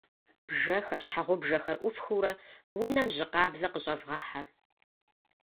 Бжэхэр, щхьэгъубжэхэр ӏуфхыурэ унэм жьы къабзэ къыщӀэвгъэхьэ.